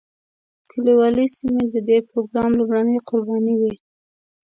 کلیوالي سیمې د دې پروګرام لومړنۍ قربانۍ وې.